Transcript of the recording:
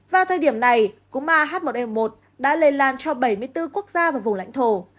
vào thời điểm này cúm ah một n một đã lây lan cho bảy mươi bốn quốc gia và vùng lãnh thổ